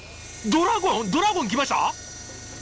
ドラゴンきました